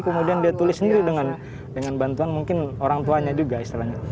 kemudian dia tulis sendiri dengan bantuan mungkin orang tuanya juga istilahnya